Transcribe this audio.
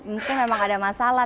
mungkin memang ada masalah